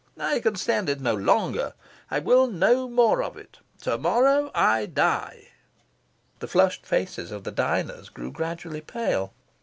I can stand it no longer. I will no more of it. Tomorrow I die." The flushed faces of the diners grew gradually pale.